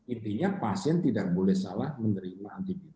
intinya pasien tidak boleh salah menerima antibiotik